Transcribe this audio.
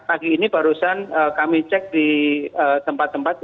pagi ini barusan kami cek di tempat tempat